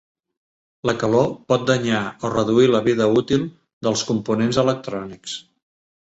La calor pot danyar o reduir la vida útil dels components electrònics.